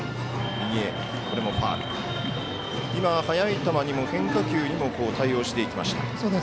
速い球にも変化球にも対応していきました。